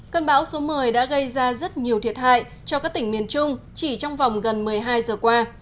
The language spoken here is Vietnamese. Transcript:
cơn bão số một mươi đã gây ra rất nhiều thiệt hại cho các tỉnh miền trung chỉ trong vòng gần một mươi hai giờ qua